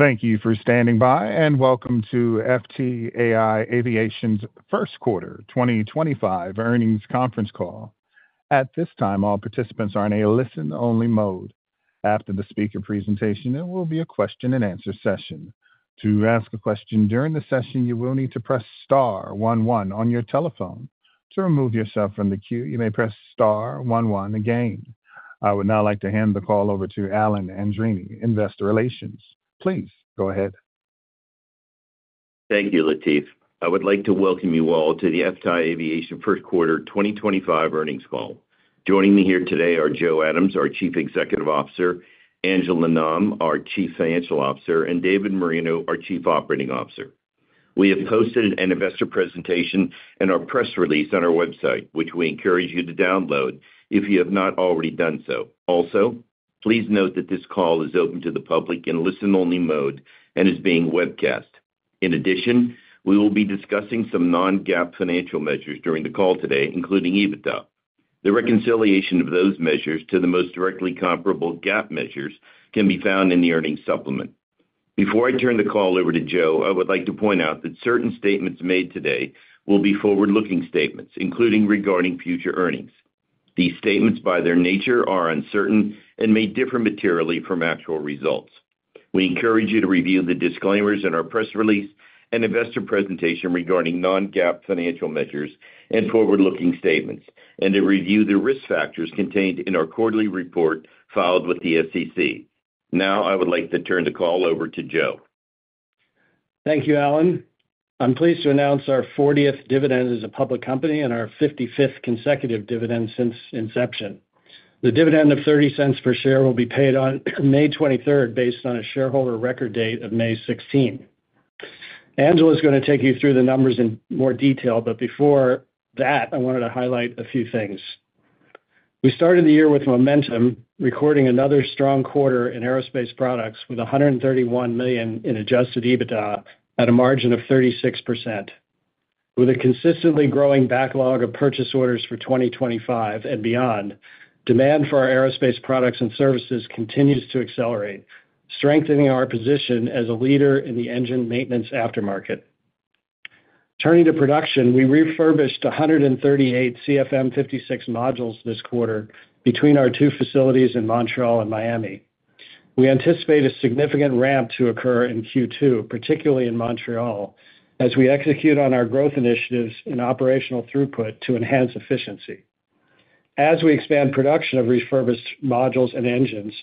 Thank you for standing by, and welcome to FTAI Aviation's first quarter 2025 earnings conference call. At this time, all participants are in a listen-only mode. After the speaker presentation, there will be a question-and-answer session. To ask a question during the session, you will need to press star one one on your telephone. To remove yourself from the queue, you may press star one one again. I would now like to hand the call over to Alan Andreini, Investor Relations. Please go ahead. Thank you, Latif. I would like to welcome you all to the FTAI Aviation first quarter 2025 earnings call. Joining me here today are Joe Adams, our Chief Executive Officer; Angela Nam, our Chief Financial Officer; and David Moreno, our Chief Operating Officer. We have posted an investor presentation and our press release on our website, which we encourage you to download if you have not already done so. Also, please note that this call is open to the public in listen-only mode and is being webcast. In addition, we will be discussing some non-GAAP financial measures during the call today, including EBITDA. The reconciliation of those measures to the most directly comparable GAAP measures can be found in the earnings supplement. Before I turn the call over to Joe, I would like to point out that certain statements made today will be forward-looking statements, including regarding future earnings. These statements, by their nature, are uncertain and may differ materially from actual results. We encourage you to review the disclaimers in our press release and investor presentation regarding non-GAAP financial measures and forward-looking statements, and to review the risk factors contained in our quarterly report filed with the SEC. Now, I would like to turn the call over to Joe. Thank you, Alan. I'm pleased to announce our 40th dividend as a public company and our 55th consecutive dividend since inception. The dividend of $0.30 per share will be paid on May 23rd based on a shareholder record date of May 16. Angela is going to take you through the numbers in more detail, but before that, I wanted to highlight a few things. We started the year with momentum, recording another strong quarter in aerospace products with $131 million in adjusted EBITDA at a margin of 36%. With a consistently growing backlog of purchase orders for 2025 and beyond, demand for our aerospace products and services continues to accelerate, strengthening our position as a leader in the engine maintenance aftermarket. Turning to production, we refurbished 138 CFM56 modules this quarter between our two facilities in Montreal and Miami. We anticipate a significant ramp to occur in Q2, particularly in Montreal, as we execute on our growth initiatives and operational throughput to enhance efficiency. As we expand production of refurbished modules and engines,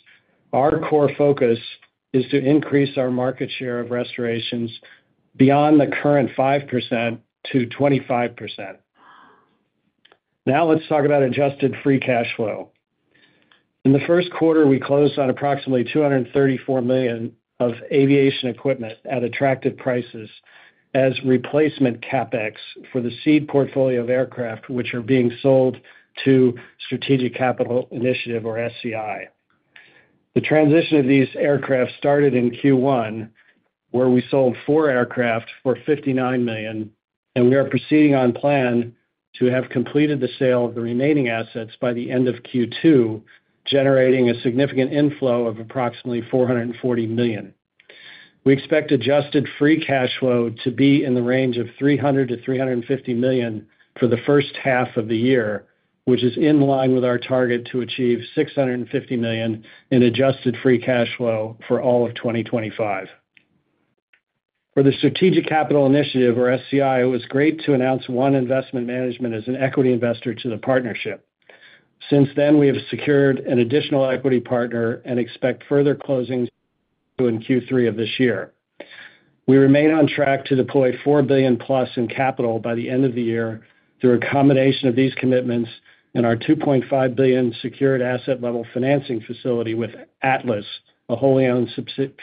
our core focus is to increase our market share of restorations beyond the current 5% to 25%. Now, let's talk about adjusted free cash flow. In the first quarter, we closed on approximately $234 million of aviation equipment at attractive prices as replacement CapEx for the seed portfolio of aircraft, which are being sold to Strategic Capital Initiative, or SCI. The transition of these aircraft started in Q1, where we sold four aircraft for $59 million, and we are proceeding on plan to have completed the sale of the remaining assets by the end of Q2, generating a significant inflow of approximately $440 million. We expect adjusted free cash flow to be in the range of $300-$350 million for the first half of the year, which is in line with our target to achieve $650 million in adjusted free cash flow for all of 2025. For the Strategic Capital Initiative, or SCI, it was great to announce One Investment Management as an equity investor to the partnership. Since then, we have secured an additional equity partner and expect further closings in Q3 of this year. We remain on track to deploy $4 billion plus in capital by the end of the year through a combination of these commitments and our $2.5 billion secured asset-level financing facility with ATLAS, a wholly-owned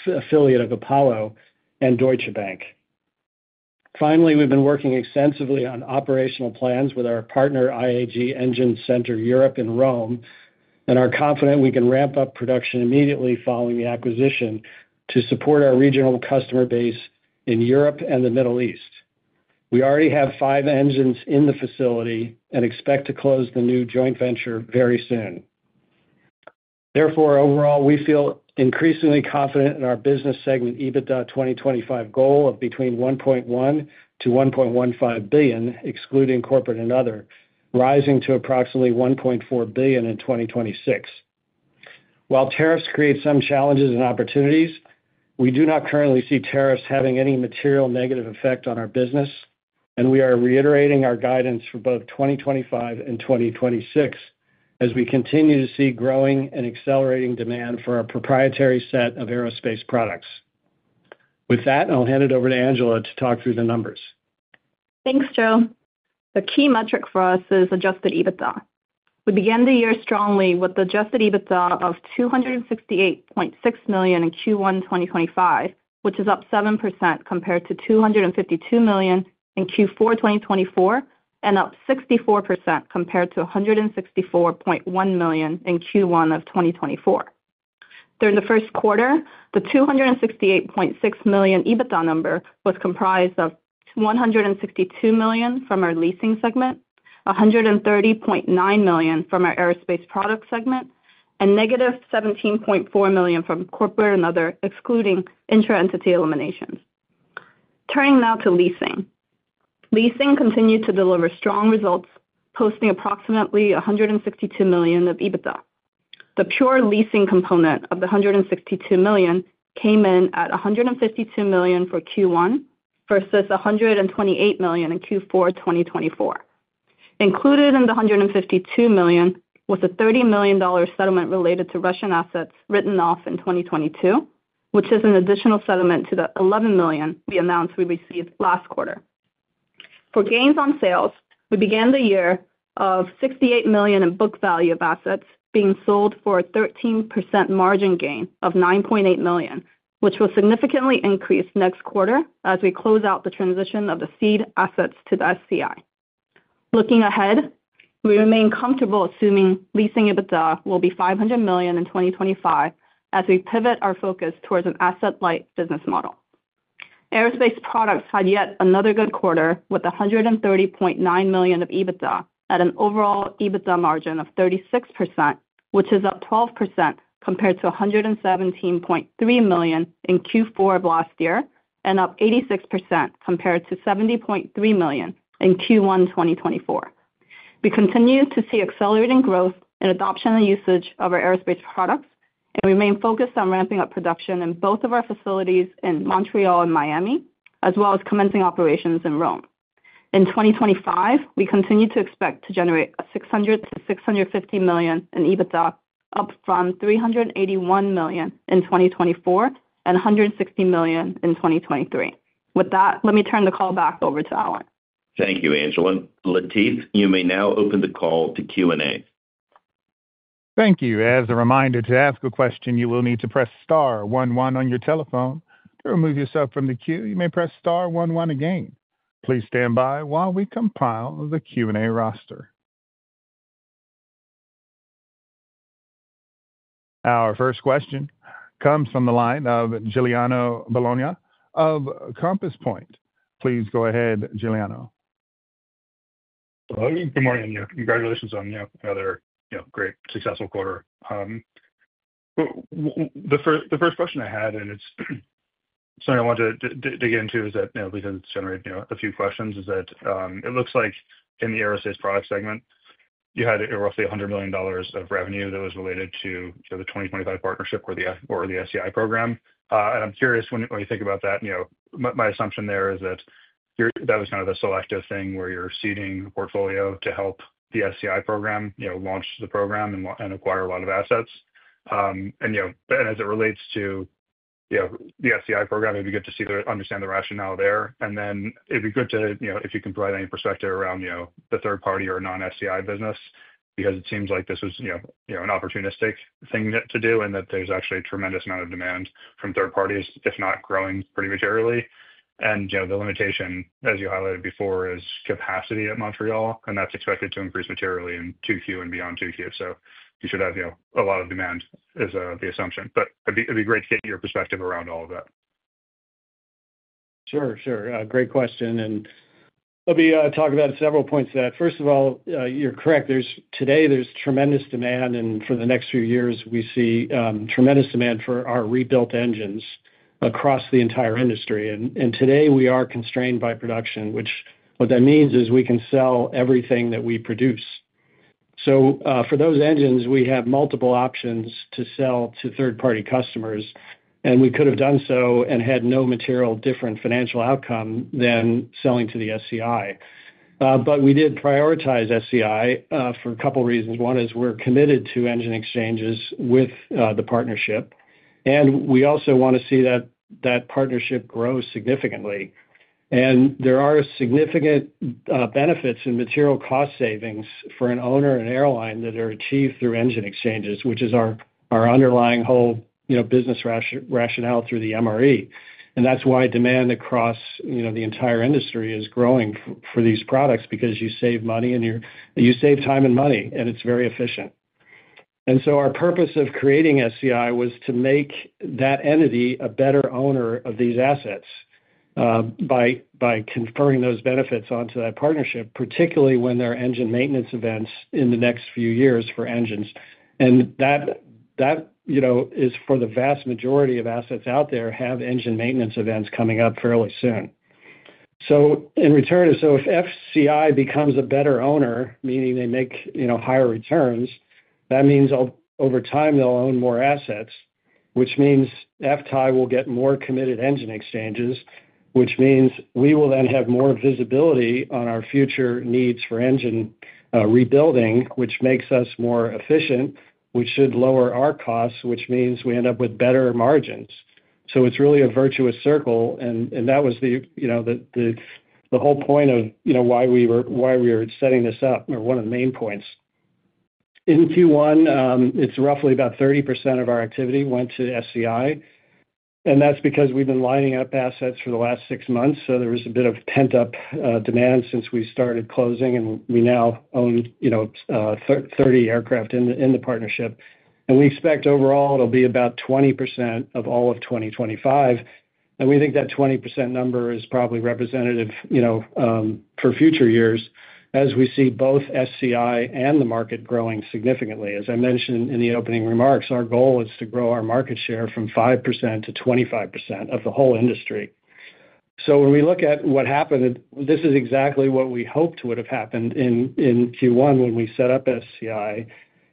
affiliate of Apollo, and Deutsche Bank. Finally, we've been working extensively on operational plans with our partner IAG Engine Center Europe in Rome, and are confident we can ramp up production immediately following the acquisition to support our regional customer base in Europe and the Middle East. We already have five engines in the facility and expect to close the new joint venture very soon. Therefore, overall, we feel increasingly confident in our business segment EBITDA 2025 goal of between $1.1 billion and $1.15 billion, excluding corporate and other, rising to approximately $1.4 billion in 2026. While tariffs create some challenges and opportunities, we do not currently see tariffs having any material negative effect on our business, and we are reiterating our guidance for both 2025 and 2026 as we continue to see growing and accelerating demand for our proprietary set of aerospace products. With that, I'll hand it over to Angela to talk through the numbers. Thanks, Joe. The key metric for us is adjusted EBITDA. We began the year strongly with adjusted EBITDA of $268.6 million in Q1 2025, which is up 7% compared to $252 million in Q4 2024 and up 64% compared to $164.1 million in Q1 of 2024. During the first quarter, the $268.6 million EBITDA number was comprised of $162 million from our leasing segment, $130.9 million from our aerospace product segment, and negative $17.4 million from corporate and other, excluding intra-entity eliminations. Turning now to leasing. Leasing continued to deliver strong results, posting approximately $162 million of EBITDA. The pure leasing component of the $162 million came in at $152 million for Q1 versus $128 million in Q4 2024. Included in the $152 million was a $30 million settlement related to Russian assets written off in 2022, which is an additional settlement to the $11 million we announced we received last quarter. For gains on sales, we began the year with $68 million in book value of assets being sold for a 13% margin gain of $9.8 million, which will significantly increase next quarter as we close out the transition of the seed assets to the SCI. Looking ahead, we remain comfortable assuming leasing EBITDA will be $500 million in 2025 as we pivot our focus towards an asset-light business model. Aerospace products had yet another good quarter with $130.9 million of EBITDA at an overall EBITDA margin of 36%, which is up 12% compared to $117.3 million in Q4 of last year and up 86% compared to $70.3 million in Q1 2024. We continue to see accelerating growth in adoption and usage of our aerospace products and remain focused on ramping up production in both of our facilities in Montreal and Miami, as well as commencing operations in Rome. In 2025, we continue to expect to generate $600 million-$650 million in EBITDA, up from $381 million in 2024 and $160 million in 2023. With that, let me turn the call back over to Alan. Thank you, Angela. Latif, you may now open the call to Q&A. Thank you. As a reminder, to ask a question, you will need to press star one one on your telephone. To remove yourself from the queue, you may press star one one again. Please stand by while we compile the Q&A roster. Our first question comes from the line of Giuliano Bologna of Compass Point. Please go ahead, Giuliano. Good morning, everyone. Congratulations on another great, successful quarter. The first question I had, and it's something I wanted to dig into, is that, because it's generated a few questions, is that it looks like in the aerospace product segment, you had roughly $100 million of revenue that was related to the 2025 partnership or the SCI program. I'm curious when you think about that, my assumption there is that that was kind of a selective thing where you're seeding a portfolio to help the SCI program launch the program and acquire a lot of assets. As it relates to the SCI program, it'd be good to understand the rationale there. It would be good to, if you can provide any perspective around the third-party or non-SCI business, because it seems like this was an opportunistic thing to do and that there is actually a tremendous amount of demand from third parties, if not growing pretty materially. The limitation, as you highlighted before, is capacity at Montreal, and that is expected to increase materially in Q2 and beyond Q2. You should have a lot of demand is the assumption. It would be great to get your perspective around all of that. Sure, sure. Great question. Let me talk about several points. First of all, you're correct. Today, there's tremendous demand, and for the next few years, we see tremendous demand for our rebuilt engines across the entire industry. Today, we are constrained by production, which means we can sell everything that we produce. For those engines, we have multiple options to sell to third-party customers, and we could have done so and had no material different financial outcome than selling to the SCI. We did prioritize SCI for a couple of reasons. One is we're committed to engine exchanges with the partnership, and we also want to see that partnership grow significantly. There are significant benefits in material cost savings for an owner and airline that are achieved through engine exchanges, which is our underlying whole business rationale through the MRE. That is why demand across the entire industry is growing for these products because you save money and you save time and money, and it is very efficient. Our purpose of creating SCI was to make that entity a better owner of these assets by conferring those benefits onto that partnership, particularly when there are engine maintenance events in the next few years for engines. That is for the vast majority of assets out there that have engine maintenance events coming up fairly soon. In return, if SCI becomes a better owner, meaning they make higher returns, that means over time they will own more assets, which means FTAI will get more committed engine exchanges, which means we will then have more visibility on our future needs for engine rebuilding, which makes us more efficient, which should lower our costs, which means we end up with better margins. It is really a virtuous circle, and that was the whole point of why we were setting this up or one of the main points. In Q1, it is roughly about 30% of our activity went to SCI, and that is because we have been lining up assets for the last six months. There was a bit of pent-up demand since we started closing, and we now own 30 aircraft in the partnership. We expect overall it will be about 20% of all of 2025. We think that 20% number is probably representative for future years as we see both SCI and the market growing significantly. As I mentioned in the opening remarks, our goal is to grow our market share from 5% to 25% of the whole industry. When we look at what happened, this is exactly what we hoped would have happened in Q1 when we set up SCI,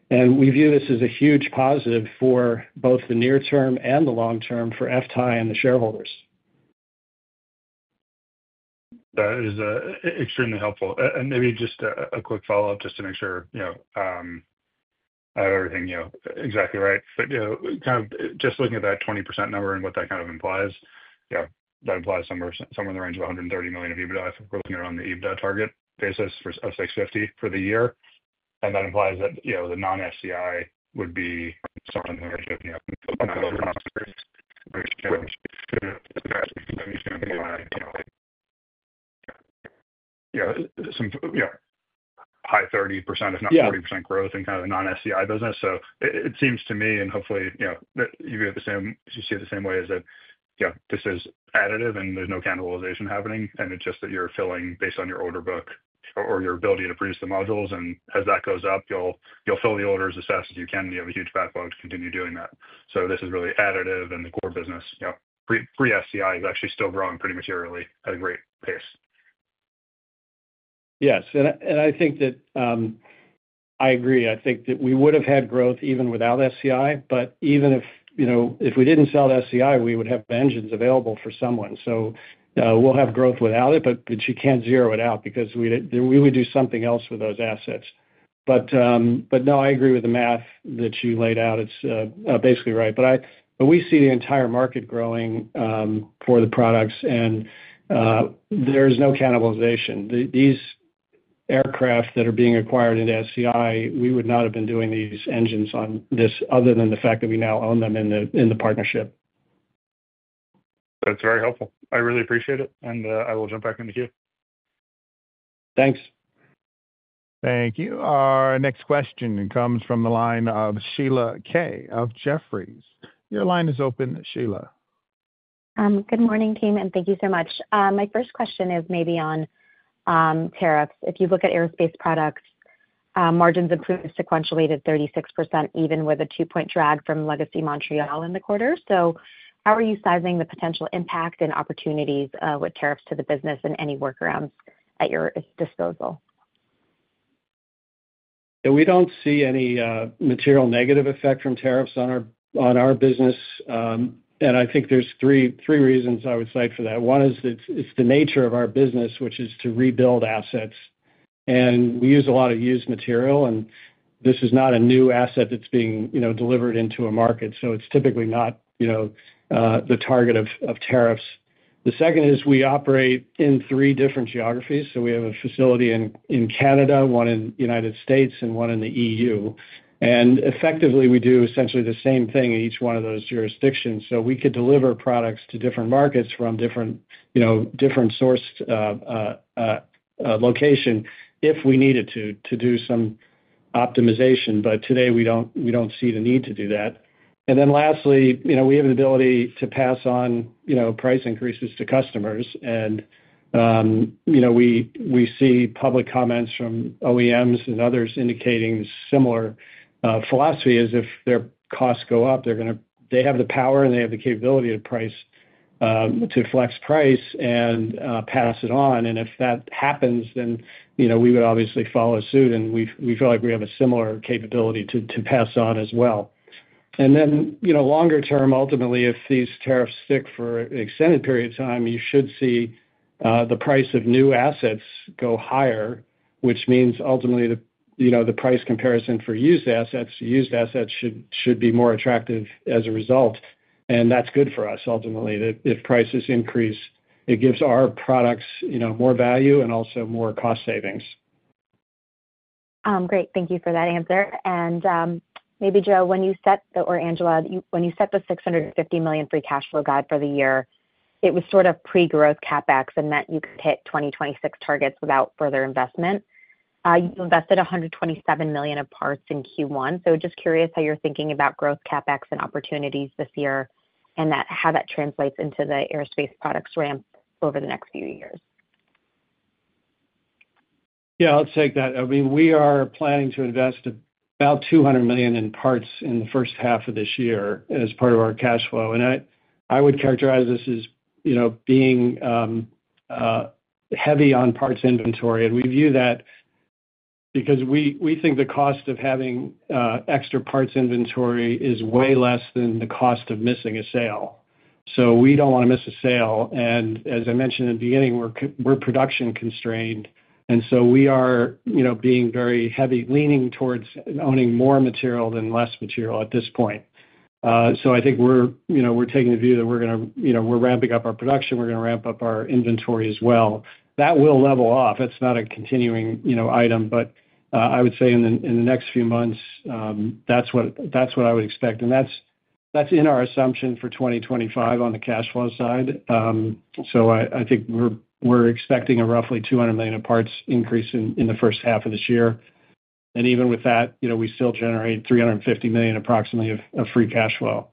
and we view this as a huge positive for both the near term and the long term for FTAI and the shareholders. That is extremely helpful. Maybe just a quick follow-up just to make sure I have everything exactly right. Kind of just looking at that 20% number and what that kind of implies, that implies somewhere in the range of $130 million of EBITDA if we're looking around the EBITDA target basis of $650 million for the year. That implies that the non-SCI would be somewhere in the range of high 30%, if not 40% growth in kind of the non-SCI business. It seems to me, and hopefully, you see it the same way, that this is additive and there's no cannibalization happening, and it's just that you're filling based on your order book or your ability to produce the modules. As that goes up, you'll fill the orders as fast as you can, and you have a huge backlog to continue doing that. This is really additive, and the core business pre-SCI is actually still growing pretty materially at a great pace. Yes. I think that I agree. I think that we would have had growth even without SCI, but even if we did not sell SCI, we would have engines available for someone. We will have growth without it, but you cannot zero it out because we would do something else with those assets. I agree with the math that you laid out. It is basically right. We see the entire market growing for the products, and there is no cannibalization. These aircraft that are being acquired into SCI, we would not have been doing these engines on this other than the fact that we now own them in the partnership. That's very helpful. I really appreciate it, and I will jump back into queue. Thanks. Thank you. Our next question comes from the line of Sheila Kahyaoglu of Jefferies. Your line is open, Sheila. Good morning, team, and thank you so much. My first question is maybe on tariffs. If you look at aerospace products, margins improved sequentially to 36% even with a two-point drag from Legacy Montreal in the quarter. How are you sizing the potential impact and opportunities with tariffs to the business and any workarounds at your disposal? We do not see any material negative effect from tariffs on our business, and I think there are three reasons I would cite for that. One is it is the nature of our business, which is to rebuild assets. We use a lot of used material, and this is not a new asset that is being delivered into a market. It is typically not the target of tariffs. The second is we operate in three different geographies. We have a facility in Canada, one in the United States, and one in the E.U. Effectively, we do essentially the same thing in each one of those jurisdictions. We could deliver products to different markets from a different source location if we needed to do some optimization. Today, we do not see the need to do that. Lastly, we have the ability to pass on price increases to customers. We see public comments from OEMs and others indicating similar philosophy as if their costs go up, they have the power and they have the capability to flex price and pass it on. If that happens, we would obviously follow suit, and we feel like we have a similar capability to pass on as well. Longer term, ultimately, if these tariffs stick for an extended period of time, you should see the price of new assets go higher, which means ultimately the price comparison for used assets, used assets should be more attractive as a result. That is good for us, ultimately, that if prices increase, it gives our products more value and also more cost savings. Great. Thank you for that answer. Maybe, Joe, when you set the, or Angela, when you set the $650 million free cash flow guide for the year, it was sort of pre-growth CapEx and that you could hit 2026 targets without further investment. You invested $127 million of parts in Q1. Just curious how you're thinking about growth CapEx and opportunities this year and how that translates into the aerospace products ramp over the next few years. Yeah, I'll take that. I mean, we are planning to invest about $200 million in parts in the first half of this year as part of our cash flow. I would characterize this as being heavy on parts inventory. We view that because we think the cost of having extra parts inventory is way less than the cost of missing a sale. We do not want to miss a sale. As I mentioned in the beginning, we're production constrained. We are being very heavy leaning towards owning more material than less material at this point. I think we're taking the view that we're going to, we're ramping up our production, we're going to ramp up our inventory as well. That will level off. That's not a continuing item, but I would say in the next few months, that's what I would expect. That is in our assumption for 2025 on the cash flow side. I think we are expecting a roughly $200 million parts increase in the first half of this year. Even with that, we still generate approximately $350 million of free cash flow.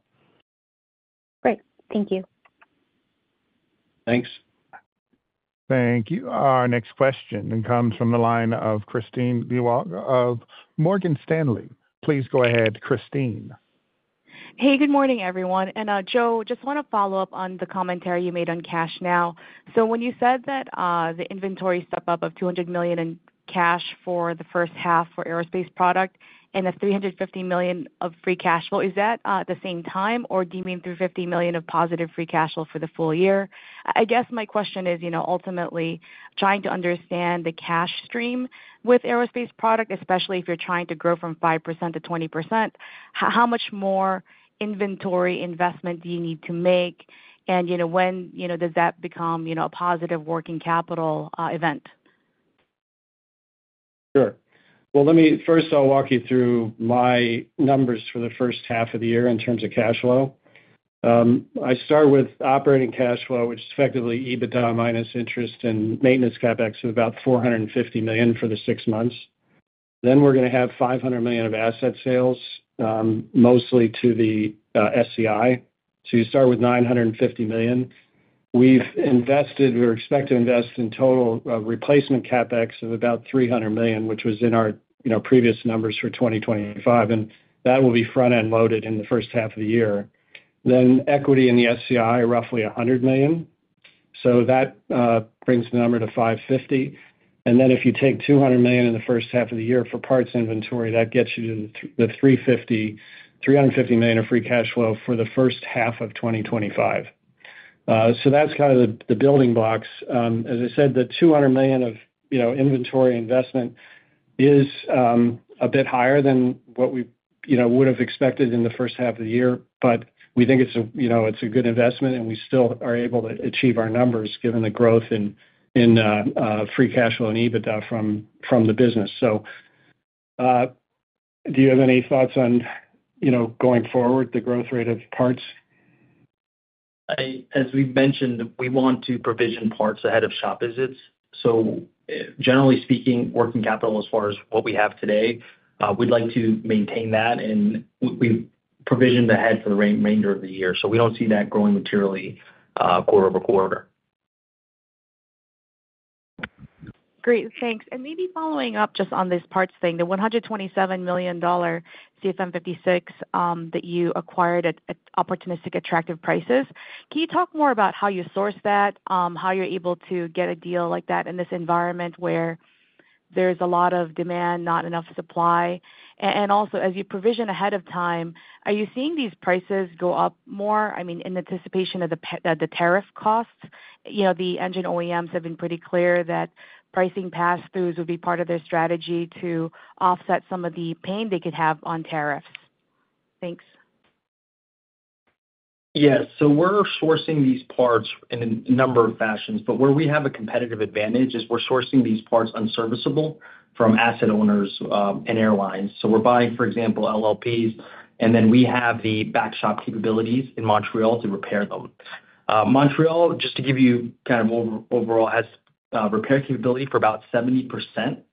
Great. Thank you. Thanks. Thank you. Our next question comes from the line of Kristine Liwag of Morgan Stanley. Please go ahead, Kristine. Hey, good morning, everyone. Joe, just want to follow up on the commentary you made on cash now. When you said that the inventory step up of $200 million in cash for the first half for aerospace product and the $350 million of free cash flow, is that at the same time, or do you mean $350 million of positive free cash flow for the full year? I guess my question is ultimately trying to understand the cash stream with aerospace product, especially if you're trying to grow from 5% to 20%, how much more inventory investment do you need to make? When does that become a positive working capital event? Sure. First, I'll walk you through my numbers for the first half of the year in terms of cash flow. I start with operating cash flow, which is effectively EBITDA minus interest and maintenance CapEx of about $450 million for the six months. We are going to have $500 million of asset sales, mostly to the SCI. You start with $950 million. We are expecting to invest in total replacement CapEx of about $300 million, which was in our previous numbers for 2025, and that will be front-end loaded in the first half of the year. Equity in the SCI, roughly $100 million. That brings the number to $550 million. If you take $200 million in the first half of the year for parts inventory, that gets you to the $350 million of free cash flow for the first half of 2025. That is kind of the building blocks. As I said, the $200 million of inventory investment is a bit higher than what we would have expected in the first half of the year, but we think it is a good investment, and we still are able to achieve our numbers given the growth in free cash flow and EBITDA from the business. Do you have any thoughts on going forward, the growth rate of parts? As we mentioned, we want to provision parts ahead of shop visits. Generally speaking, working capital as far as what we have today, we'd like to maintain that, and we provisioned ahead for the remainder of the year. We don't see that growing materially quarter-over-quarter. Great. Thanks. Maybe following up just on this parts thing, the $127 million CFM56 that you acquired at opportunistic attractive prices, can you talk more about how you source that, how you're able to get a deal like that in this environment where there's a lot of demand, not enough supply? Also, as you provision ahead of time, are you seeing these prices go up more, I mean, in anticipation of the tariff costs? The engine OEMs have been pretty clear that pricing pass-throughs would be part of their strategy to offset some of the pain they could have on tariffs. Thanks. Yes. We're sourcing these parts in a number of fashions, but where we have a competitive advantage is we're sourcing these parts unserviceable from asset owners and airlines. We're buying, for example, LLPs, and then we have the back shop capabilities in Montreal to repair them. Montreal, just to give you kind of overall, has repair capability for about 70%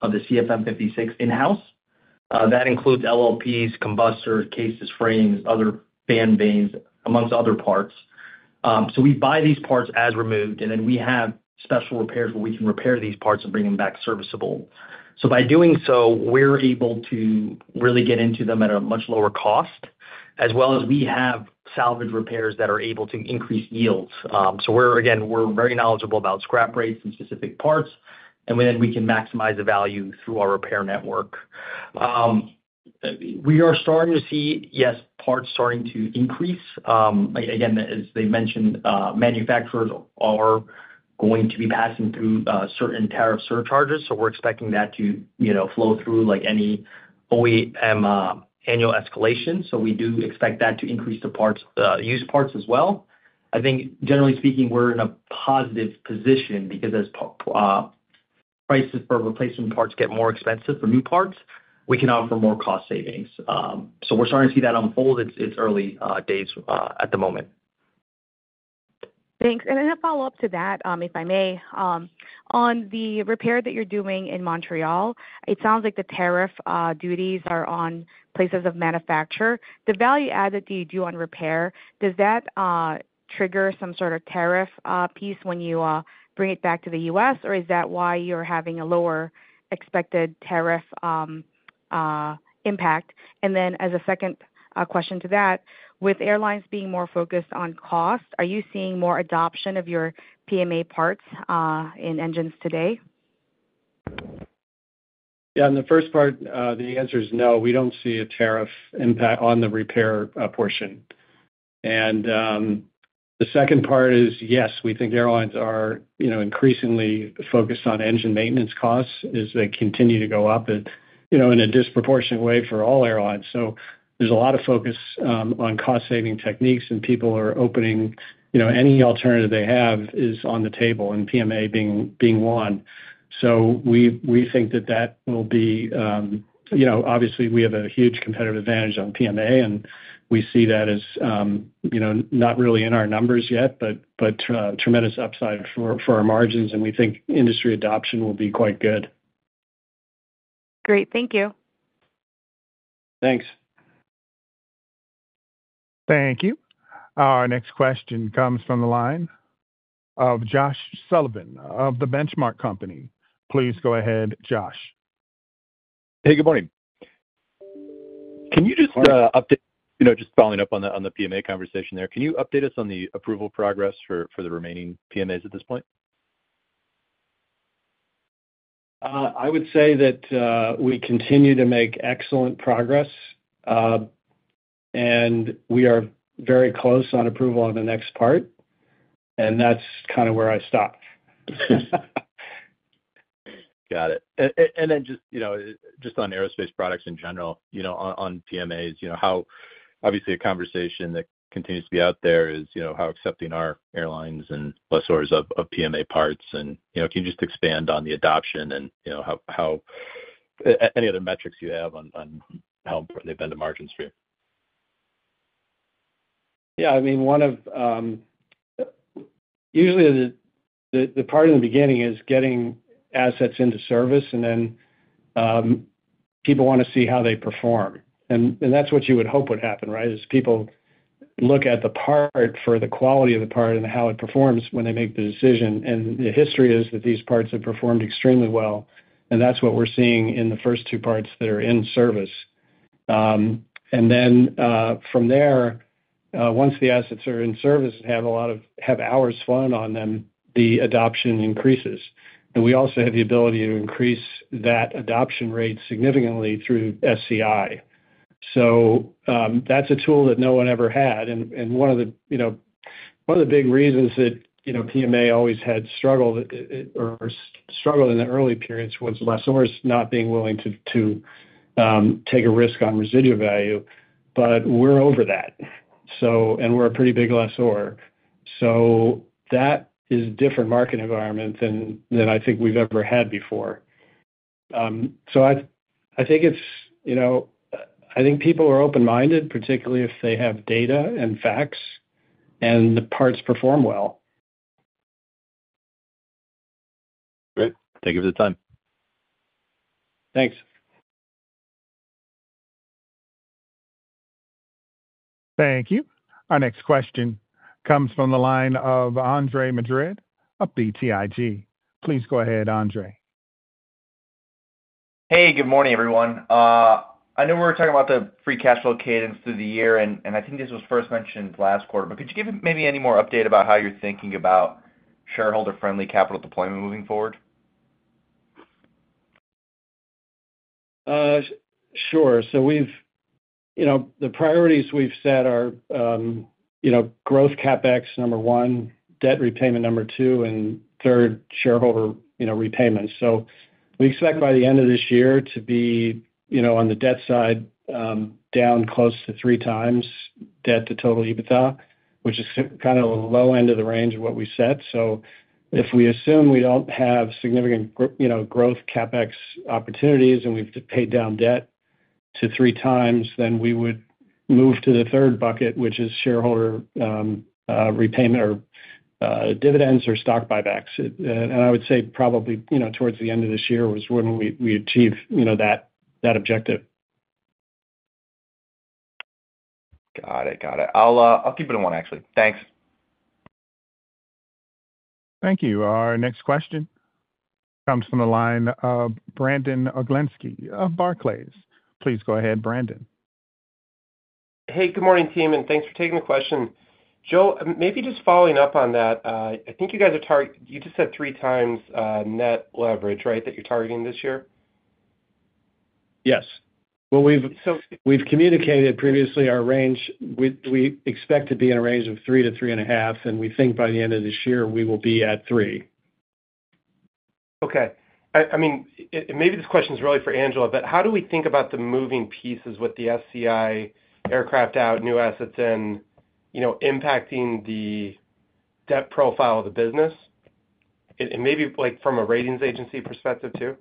of the CFM56 in-house. That includes LLPs, combustors, cases, frames, other fan blades, amongst other parts. We buy these parts as removed, and then we have special repairs where we can repair these parts and bring them back serviceable. By doing so, we're able to really get into them at a much lower cost, as well as we have salvage repairs that are able to increase yields. We're very knowledgeable about scrap rates and specific parts, and then we can maximize the value through our repair network. We are starting to see, yes, parts starting to increase. As they mentioned, manufacturers are going to be passing through certain tariff surcharges, so we're expecting that to flow through any OEM annual escalation. We do expect that to increase the used parts as well. I think, generally speaking, we're in a positive position because as prices for replacement parts get more expensive for new parts, we can offer more cost savings. We're starting to see that unfold. It's early days at the moment. Thanks. A follow-up to that, if I may, on the repair that you're doing in Montreal, it sounds like the tariff duties are on places of manufacture. The value added that you do on repair, does that trigger some sort of tariff piece when you bring it back to the U.S., or is that why you're having a lower expected tariff impact? As a second question to that, with airlines being more focused on cost, are you seeing more adoption of your PMA parts in engines today? Yeah. In the first part, the answer is no. We don't see a tariff impact on the repair portion. The second part is yes, we think airlines are increasingly focused on engine maintenance costs as they continue to go up in a disproportionate way for all airlines. There is a lot of focus on cost-saving techniques, and people are opening any alternative they have is on the table and PMA being one. We think that that will be obviously, we have a huge competitive advantage on PMA, and we see that as not really in our numbers yet, but tremendous upside for our margins, and we think industry adoption will be quite good. Great. Thank you. Thanks. Thank you. Our next question comes from the line of Josh Sullivan of the Benchmark Company. Please go ahead, Josh. Hey, good morning. Can you just update, just following up on the PMA conversation there, can you update us on the approval progress for the remaining PMAs at this point? I would say that we continue to make excellent progress, and we are very close on approval on the next part, and that's kind of where I stop. Got it. And then just on aerospace products in general, on PMAs, obviously, a conversation that continues to be out there is how accepting are airlines and lessors of PMA parts? And can you just expand on the adoption and any other metrics you have on how important they've been to margins for you? Yeah. I mean, usually, the part in the beginning is getting assets into service, and then people want to see how they perform. That is what you would hope would happen, right, is people look at the part for the quality of the part and how it performs when they make the decision. The history is that these parts have performed extremely well, and that is what we are seeing in the first two parts that are in service. From there, once the assets are in service and have hours flown on them, the adoption increases. We also have the ability to increase that adoption rate significantly through SCI. That is a tool that no one ever had. One of the big reasons that PMA always had struggled or struggled in the early periods was lessors not being willing to take a risk on residual value, but we're over that, and we're a pretty big lessor. That is a different market environment than I think we've ever had before. I think people are open-minded, particularly if they have data and facts and the parts perform well. Great. Thank you for the time. Thanks. Thank you. Our next question comes from the line of Andre Madrid of BTIG. Please go ahead, Andrei. Hey, good morning, everyone. I know we were talking about the free cash flow cadence through the year, and I think this was first mentioned last quarter, but could you give maybe any more update about how you're thinking about shareholder-friendly capital deployment moving forward? Sure. The priorities we've set are growth CapEx number one, debt repayment number two, and third, shareholder repayments. We expect by the end of this year to be on the debt side down close to three times debt to total EBITDA, which is kind of the low end of the range of what we set. If we assume we do not have significant growth CapEx opportunities and we have paid down debt to three times, we would move to the third bucket, which is shareholder repayment or dividends or stock buybacks. I would say probably towards the end of this year is when we achieve that objective. Got it. Got it. I'll keep it at one, actually. Thanks. Thank you. Our next question comes from the line of Brandon Oglenski of Barclays. Please go ahead, Brandon. Hey, good morning, team, and thanks for taking the question. Joe, maybe just following up on that, I think you guys are you just said three times net leverage, right, that you're targeting this year? Yes. We have communicated previously our range. We expect to be in a range of three to three and a half, and we think by the end of this year, we will be at three. Okay. I mean, maybe this question is really for Angela, but how do we think about the moving pieces with the SCI, aircraft out, new assets in, impacting the debt profile of the business? Maybe from a ratings agency perspective too?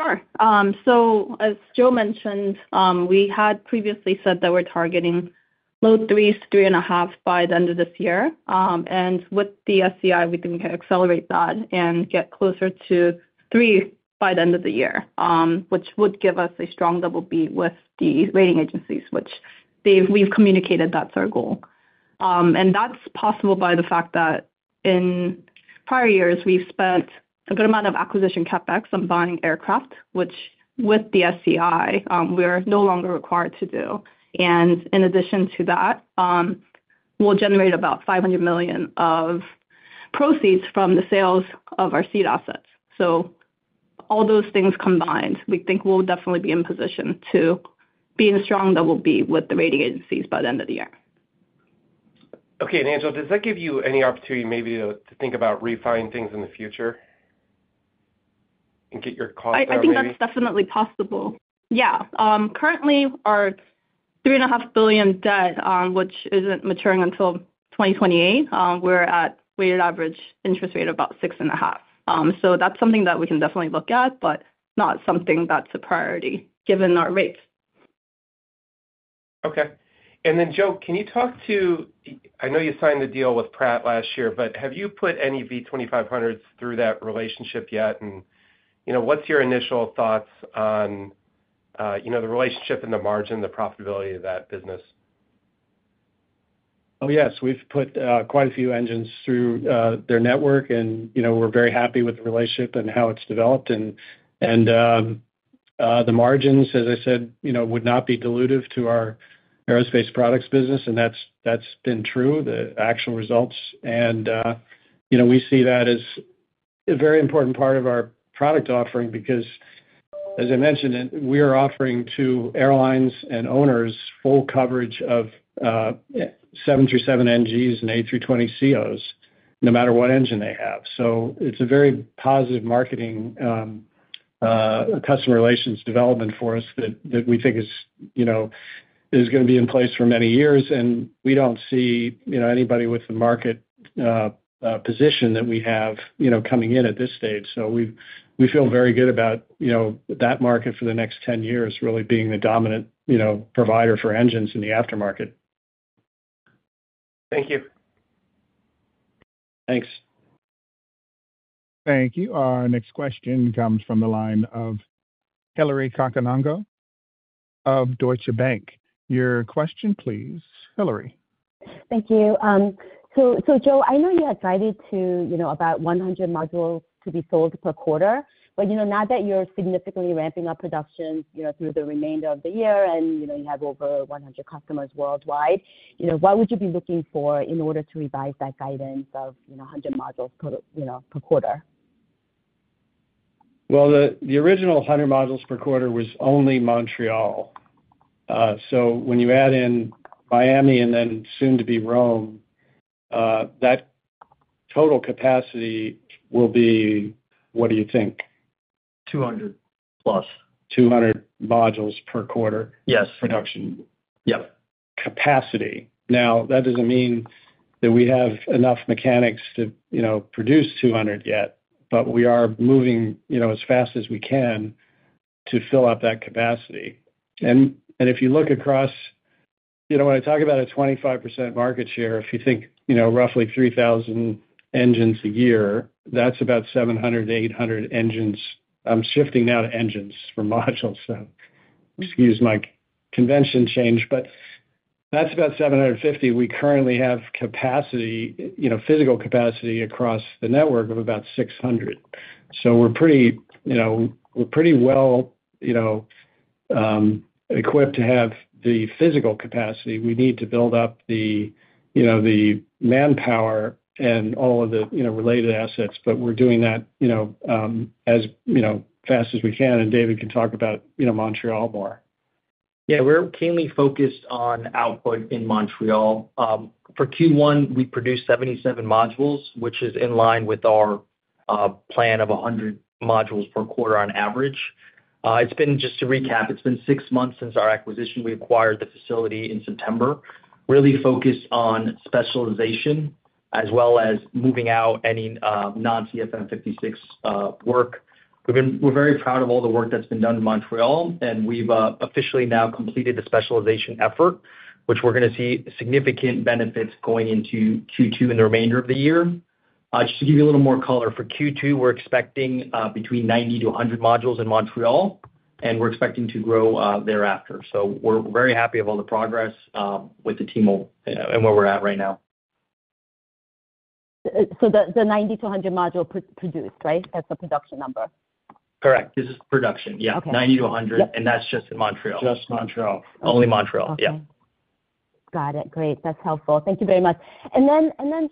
Sure. As Joe mentioned, we had previously said that we're targeting low threes, three and a half by the end of this year. With the SCI, we think we can accelerate that and get closer to three by the end of the year, which would give us a strong double beat with the rating agencies, which we've communicated that's our goal. That's possible by the fact that in prior years, we've spent a good amount of acquisition CapEx on buying aircraft, which with the SCI, we are no longer required to do. In addition to that, we'll generate about $500 million of proceeds from the sales of our seed assets. All those things combined, we think we'll definitely be in position to be in strong double beat with the rating agencies by the end of the year. Okay. Angela, does that give you any opportunity maybe to think about refining things in the future and get your costs out of the way? I think that's definitely possible. Yeah. Currently, our $3.5 billion debt, which is not maturing until 2028, we're at a weighted average interest rate of about 6.5%. That's something that we can definitely look at, but not something that's a priority given our rates. Okay. Joe, can you talk to I know you signed a deal with Pratt last year, but have you put any V2500s through that relationship yet? What's your initial thoughts on the relationship and the margin, the profitability of that business? Oh, yes. We've put quite a few engines through their network, and we're very happy with the relationship and how it's developed. The margins, as I said, would not be dilutive to our aerospace products business, and that's been true, the actual results. We see that as a very important part of our product offering because, as I mentioned, we are offering to airlines and owners full coverage of 737NGs and A320ceos, no matter what engine they have. It is a very positive marketing customer relations development for us that we think is going to be in place for many years, and we do not see anybody with the market position that we have coming in at this stage. We feel very good about that market for the next 10 years really being the dominant provider for engines in the aftermarket. Thank you. Thanks. Thank you. Our next question comes from the line of Hillary Cacanando of Deutsche Bank. Your question, please, Hillary. Thank you. Joe, I know you had cited about 100 modules to be sold per quarter, but now that you're significantly ramping up production through the remainder of the year and you have over 100 customers worldwide, what would you be looking for in order to revise that guidance of 100 modules per quarter? The original 100 modules per quarter was only Montreal. So when you add in Miami and then soon-to-be Rome, that total capacity will be what do you think? 200+. 200 modules per quarter. Yes. Production. Yep. Capacity. Now, that does not mean that we have enough mechanics to produce 200 yet, but we are moving as fast as we can to fill up that capacity. If you look across when I talk about a 25% market share, if you think roughly 3,000 engines a year, that is about 700-800 engines. I am shifting now to engines for modules, so excuse my convention change, but that is about 750. We currently have physical capacity across the network of about 600. We are pretty well equipped to have the physical capacity. We need to build up the manpower and all of the related assets, but we are doing that as fast as we can, and David can talk about Montreal more. Yeah. We're keenly focused on output in Montreal. For Q1, we produced 77 modules, which is in line with our plan of 100 modules per quarter on average. Just to recap, it's been six months since our acquisition. We acquired the facility in September, really focused on specialization as well as moving out any non-CFM56 work. We're very proud of all the work that's been done in Montreal, and we've officially now completed the specialization effort, which we're going to see significant benefits going into Q2 and the remainder of the year. Just to give you a little more color, for Q2, we're expecting between 90-100 modules in Montreal, and we're expecting to grow thereafter. We are very happy of all the progress with the team and where we're at right now. The 90 to 100 module produced, right? That's the production number? Correct. This is production. Yeah. Ninety to 100, and that's just in Montreal. Just Montreal. Only Montreal. Yeah. Got it. Great. That's helpful. Thank you very much.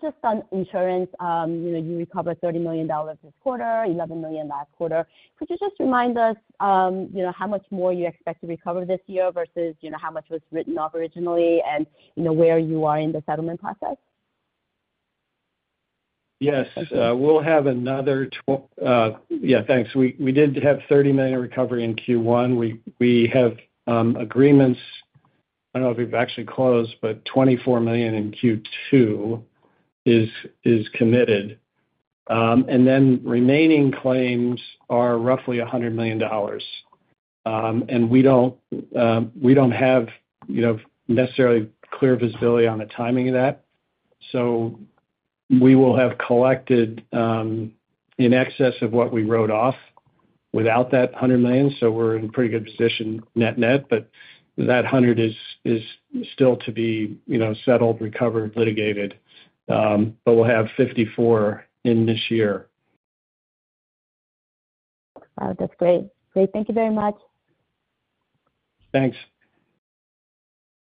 Just on insurance, you recovered $30 million this quarter, $11 million last quarter. Could you just remind us how much more you expect to recover this year versus how much was written off originally and where you are in the settlement process? Yes. We'll have another yeah, thanks. We did have $30 million recovery in Q1. We have agreements—I do not know if we have actually closed—but $24 million in Q2 is committed. The remaining claims are roughly $100 million. We do not have necessarily clear visibility on the timing of that. We will have collected in excess of what we wrote off without that $100 million. We are in pretty good position net-net, that $100 million is still to be settled, recovered, litigated. We will have $54 million in this year. That's great. Great. Thank you very much. Thanks.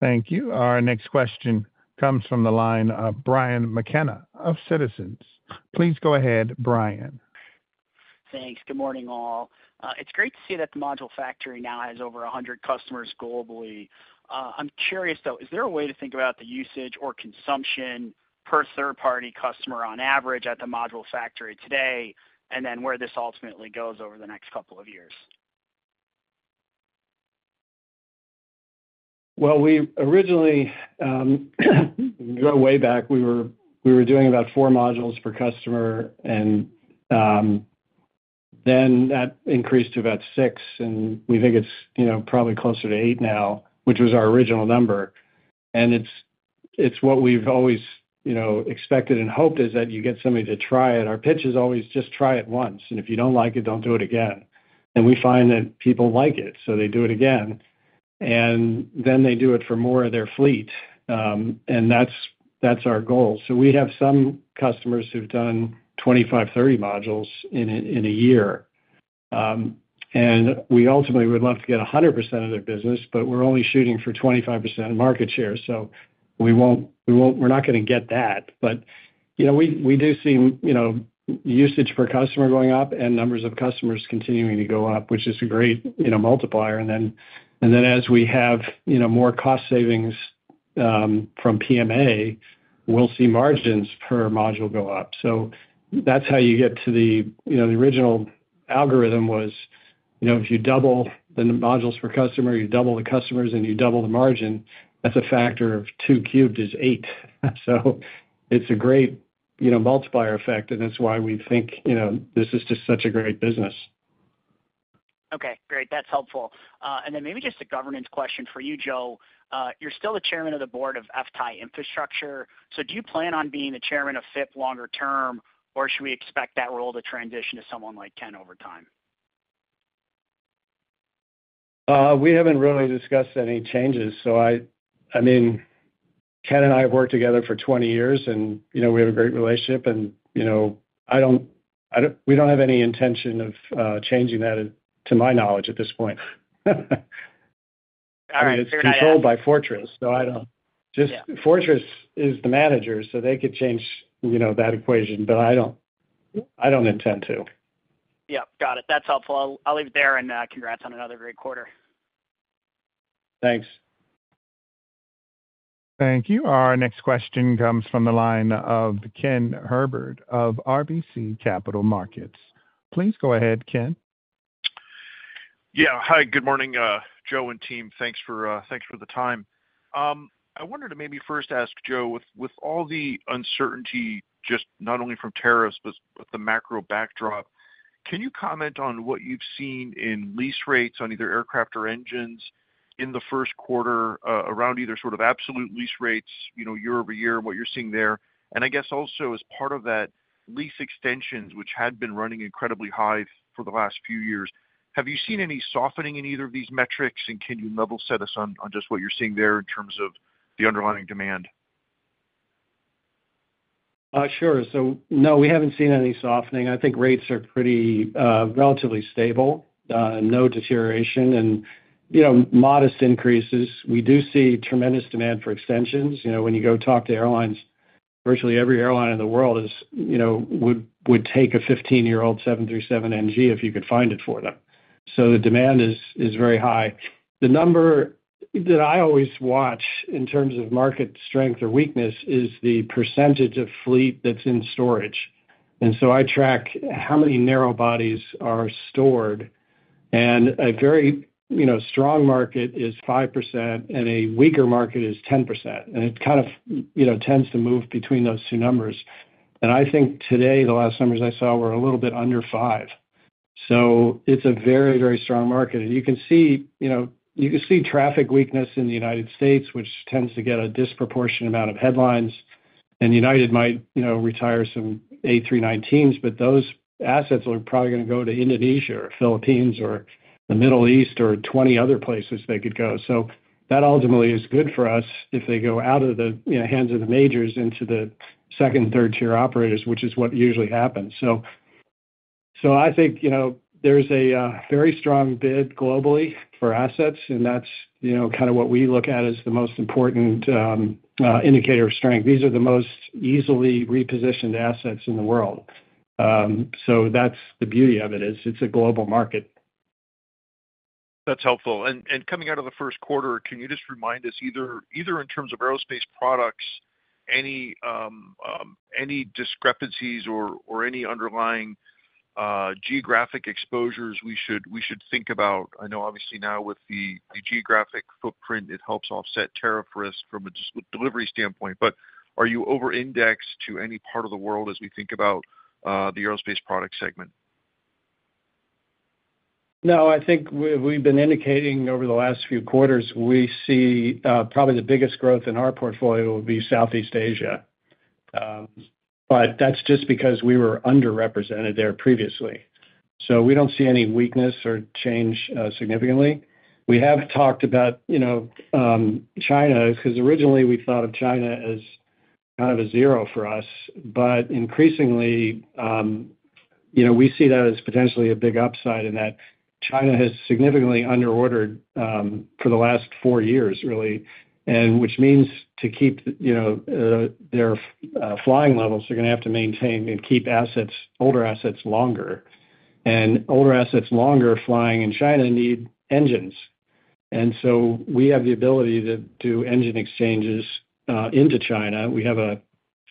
Thank you. Our next question comes from the line of Brian McKenna of Citizens. Please go ahead, Brian. Thanks. Good morning, all. It's great to see that the Module Factory now has over 100 customers globally. I'm curious, though, is there a way to think about the usage or consumption per third-party customer on average at the Module Factory today and then where this ultimately goes over the next couple of years? Originally, way back, we were doing about four modules per customer, and then that increased to about six, and we think it's probably closer to eight now, which was our original number. It's what we've always expected and hoped is that you get somebody to try it. Our pitch is always, "Just try it once. If you don't like it, don't do it again." We find that people like it, so they do it again. They do it for more of their fleet, and that's our goal. We have some customers who've done 25-30 modules in a year. We ultimately would love to get 100% of their business, but we're only shooting for 25% market share. We're not going to get that. We do see usage per customer going up and numbers of customers continuing to go up, which is a great multiplier. As we have more cost savings from PMA, we'll see margins per module go up. That's how you get to the original algorithm: if you double the modules per customer, you double the customers, and you double the margin, that's a factor of two cubed, which is eight. It's a great multiplier effect, and that's why we think this is just such a great business. Okay. Great. That's helpful. Maybe just a governance question for you, Joe. You're still the chairman of the board of FTAI Infrastructure. Do you plan on being the chairman of FIP longer term, or should we expect that role to transition to someone like Ken over time? We haven't really discussed any changes. I mean, Ken and I have worked together for 20 years, and we have a great relationship. We don't have any intention of changing that, to my knowledge, at this point. I mean, it's controlled by Fortress, so Fortress is the manager, so they could change that equation, but I don't intend to. Yep. Got it. That's helpful. I'll leave it there and congrats on another great quarter. Thanks. Thank you. Our next question comes from the line of Ken Herbert of RBC Capital Markets. Please go ahead, Ken. Yeah. Hi. Good morning, Joe and team. Thanks for the time. I wanted to maybe first ask Joe, with all the uncertainty, just not only from tariffs but with the macro backdrop, can you comment on what you've seen in lease rates on either aircraft or engines in the first quarter around either sort of absolute lease rates, year-over-year, what you're seeing there? I guess also as part of that, lease extensions, which had been running incredibly high for the last few years, have you seen any softening in either of these metrics? Can you level set us on just what you're seeing there in terms of the underlying demand? Sure. No, we have not seen any softening. I think rates are relatively stable, no deterioration, and modest increases. We do see tremendous demand for extensions. When you go talk to airlines, virtually every airline in the world would take a 15-year-old 737NG if you could find it for them. The demand is very high. The number that I always watch in terms of market strength or weakness is the percentage of fleet that is in storage. I track how many narrow bodies are stored. A very strong market is 5%, and a weaker market is 10%. It kind of tends to move between those two numbers. I think today, the last numbers I saw were a little bit under 5%. It is a very, very strong market. You can see traffic weakness in the United States, which tends to get a disproportionate amount of headlines. United might retire some A319s, but those assets are probably going to go to Indonesia or Philippines or the Middle East or 20 other places they could go. That ultimately is good for us if they go out of the hands of the majors into the second and third-tier operators, which is what usually happens. I think there is a very strong bid globally for assets, and that is kind of what we look at as the most important indicator of strength. These are the most easily repositioned assets in the world. That is the beauty of it, it is a global market. That's helpful. Coming out of the first quarter, can you just remind us either in terms of aerospace products, any discrepancies or any underlying geographic exposures we should think about? I know, obviously, now with the geographic footprint, it helps offset tariff risk from a delivery standpoint. Are you over-indexed to any part of the world as we think about the aerospace product segment? No. I think we've been indicating over the last few quarters we see probably the biggest growth in our portfolio would be Southeast Asia. That is just because we were underrepresented there previously. We do not see any weakness or change significantly. We have talked about China because originally we thought of China as kind of a zero for us. Increasingly, we see that as potentially a big upside in that China has significantly underordered for the last four years, really, which means to keep their flying levels, they are going to have to maintain and keep older assets longer. Older assets longer flying in China need engines. We have the ability to do engine exchanges into China.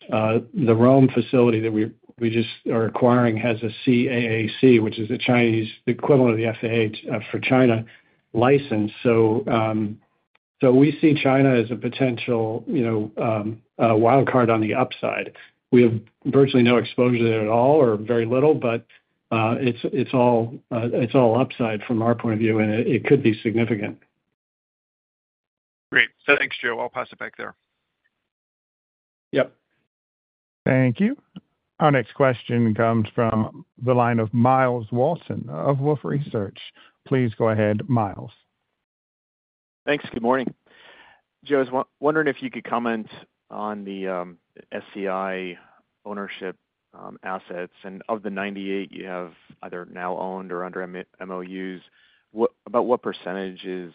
The Rome facility that we just are acquiring has a CAAC, which is the equivalent of the FAA for China, license. We see China as a potential wild card on the upside. We have virtually no exposure there at all or very little, but it's all upside from our point of view, and it could be significant. Great. Thanks, Joe. I'll pass it back there. Yep. Thank you. Our next question comes from the line of Myles Walton of Wolfe Research. Please go ahead, Miles. Thanks. Good morning. Joe, I was wondering if you could comment on the SCI ownership assets. Of the 98 you have either now owned or under MOUs, about what percentages is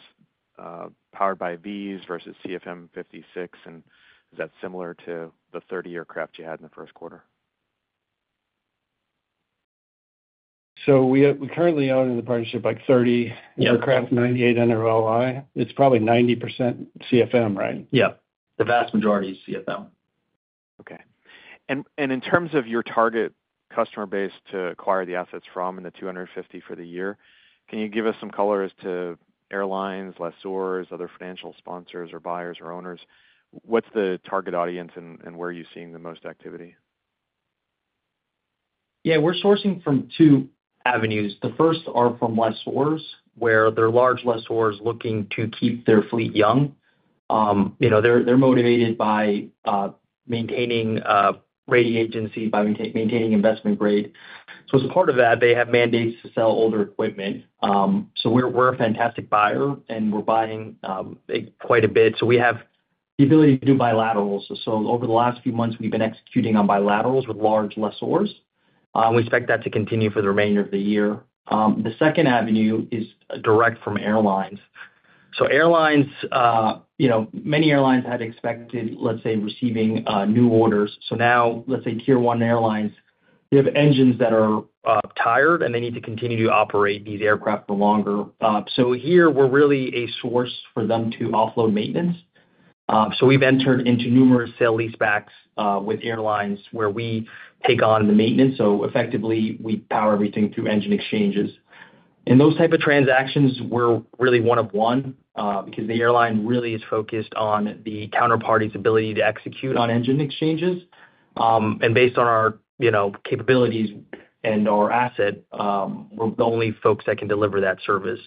Powered by V's versus CFM56? Is that similar to the 30 aircraft you had in the first quarter? We currently own in the partnership like 30 aircraft, 98 under LOI. It's probably 90% CFM, right? Yeah. The vast majority is CFM. Okay. In terms of your target customer base to acquire the assets from and the 250 for the year, can you give us some color as to airlines, lessors, other financial sponsors, or buyers, or owners? What's the target audience and where are you seeing the most activity? Yeah. We're sourcing from two avenues. The first are from Lessors, where they're large Lessors looking to keep their fleet young. They're motivated by maintaining rating agency, by maintaining investment grade. As part of that, they have mandates to sell older equipment. We're a fantastic buyer, and we're buying quite a bit. We have the ability to do bilaterals. Over the last few months, we've been executing on bilaterals with large Lessors. We expect that to continue for the remainder of the year. The second avenue is direct from airlines. Many airlines had expected, let's say, receiving new orders. Now, let's say tier one airlines, they have engines that are tired, and they need to continue to operate these aircraft for longer. Here, we're really a source for them to offload maintenance. We've entered into numerous sale lease backs with airlines where we take on the maintenance. We power everything through engine exchanges. In those type of transactions, we're really one of one because the airline really is focused on the counterparty's ability to execute on engine exchanges. Based on our capabilities and our asset, we're the only folks that can deliver that service.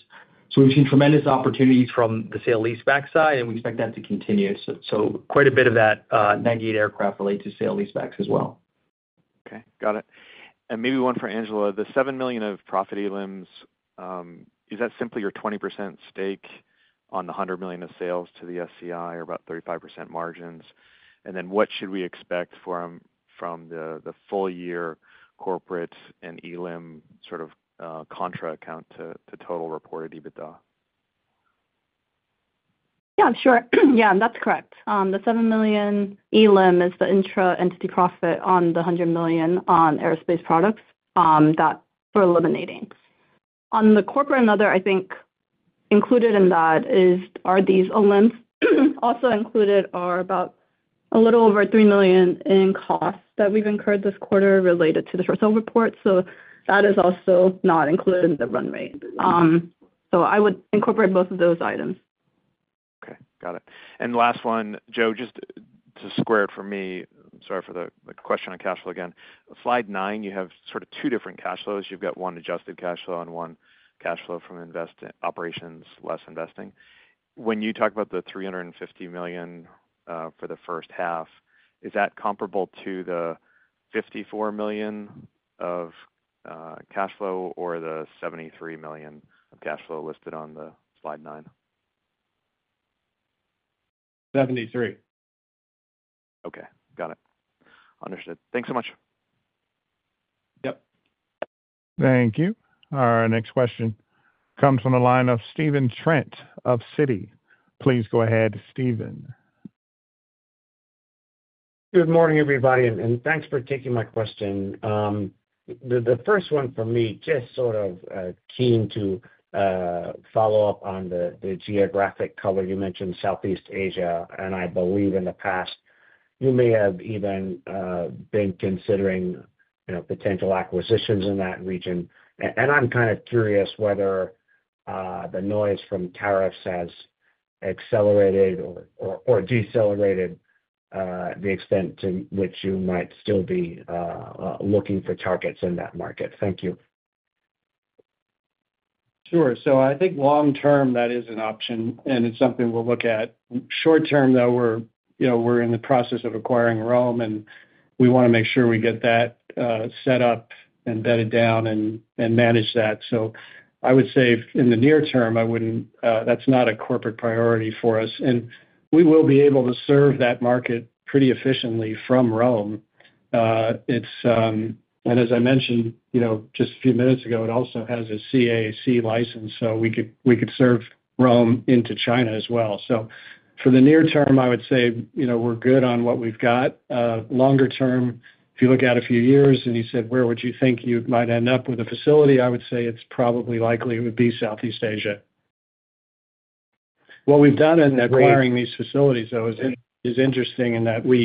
We've seen tremendous opportunities from the sale lease back side, and we expect that to continue. Quite a bit of that 98 aircraft relates to sale lease backs as well. Okay. Got it. Maybe one for Angela. The $7 million of Profit Elims, is that simply your 20% stake on the $100 million of sales to the FCI or about 35% margins? What should we expect from the full-year corporate and Elim sort of contra account to total reported EBITDA? Yeah. Sure. Yeah. That's correct. The $7 million Elim is the intra-entity profit on the $100 million on aerospace products that we're eliminating. On the corporate and other, I think included in that are these Elims. Also included are about a little over $3 million in costs that we've incurred this quarter related to the short-sale report. That is also not included in the run rate. I would incorporate both of those items. Okay. Got it. Last one, Joe, just to square it for me, sorry for the question on cash flow again. Slide 9, you have sort of two different cash flows. You've got one adjusted cash flow and one cash flow from investment operations, less investing. When you talk about the $350 million for the first half, is that comparable to the $54 million of cash flow or the $73 million of cash flow listed on the slide 9? 73. Okay. Got it. Understood. Thanks so much. Yep. Thank you. Our next question comes from the line of Stephen Trent of Citi. Please go ahead, Stephen. Good morning, everybody. Thanks for taking my question. The first one for me, just sort of keen to follow up on the geographic color you mentioned, Southeast Asia. I believe in the past, you may have even been considering potential acquisitions in that region. I'm kind of curious whether the noise from tariffs has accelerated or decelerated the extent to which you might still be looking for targets in that market. Thank you. Sure. I think long-term, that is an option, and it's something we'll look at. Short-term, though, we're in the process of acquiring Rome, and we want to make sure we get that set up and bedded down and manage that. I would say in the near term, that's not a corporate priority for us. We will be able to serve that market pretty efficiently from Rome. As I mentioned just a few minutes ago, it also has a CAAC license, so we could serve Rome into China as well. For the near term, I would say we're good on what we've got. Longer term, if you look at a few years and you said, "Where would you think you might end up with a facility?" I would say it's probably likely it would be Southeast Asia. What we've done in acquiring these facilities, though, is interesting in that if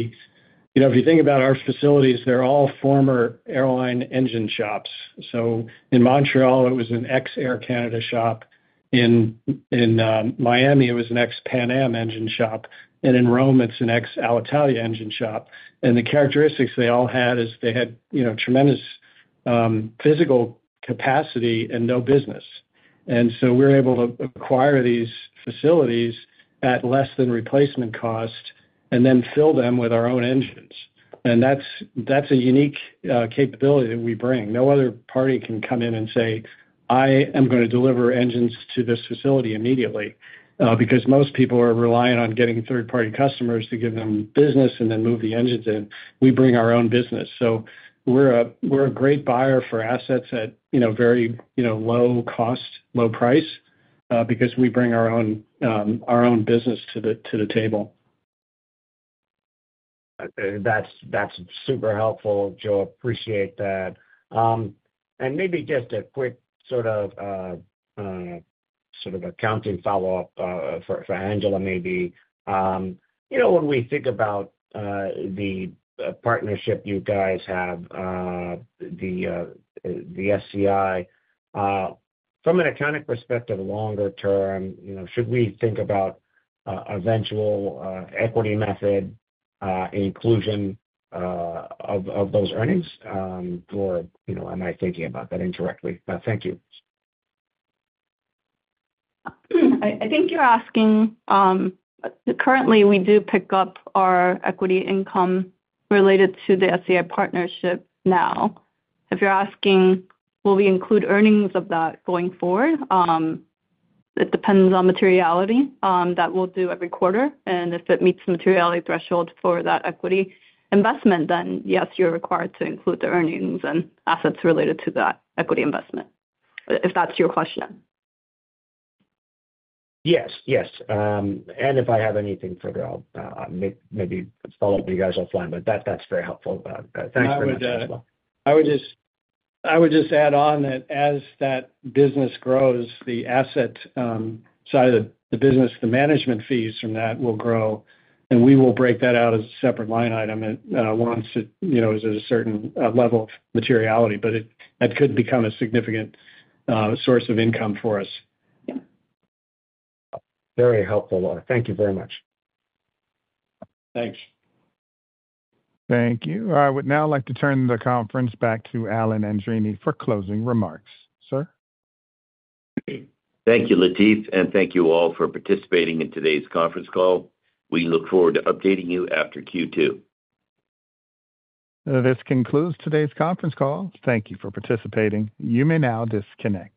you think about our facilities, they're all former airline engine shops. In Montreal, it was an ex-Air Canada shop. In Miami, it was an ex-Pan Am engine shop. In Rome, it's an ex-Alitalia engine shop. The characteristics they all had is they had tremendous physical capacity and no business. We are able to acquire these facilities at less than replacement cost and then fill them with our own engines. That's a unique capability that we bring. No other party can come in and say, "I am going to deliver engines to this facility immediately." Because most people are relying on getting third-party customers to give them business and then move the engines in, we bring our own business. We're a great buyer for assets at very low cost, low price, because we bring our own business to the table. That's super helpful, Joe. Appreciate that. Maybe just a quick sort of accounting follow-up for Angela maybe. When we think about the partnership you guys have, the SCI, from an accounting perspective, longer term, should we think about eventual equity method inclusion of those earnings? Or am I thinking about that indirectly? Thank you. I think you're asking currently, we do pick up our equity income related to the SCI partnership now. If you're asking, will we include earnings of that going forward? It depends on materiality that we'll do every quarter. If it meets the materiality threshold for that equity investment, then yes, you're required to include the earnings and assets related to that equity investment, if that's your question. Yes. Yes. If I have anything further, I'll maybe follow up with you guys offline. That's very helpful. Thanks for the details. I would just add on that as that business grows, the asset side of the business, the management fees from that will grow. We will break that out as a separate line item once it is at a certain level of materiality. That could become a significant source of income for us. Very helpful. Thank you very much. Thanks. Thank you. I would now like to turn the conference back to Alan Andreini for closing remarks. Sir? Thank you, Latif, and thank you all for participating in today's conference call. We look forward to updating you after Q2. This concludes today's conference call. Thank you for participating. You may now disconnect.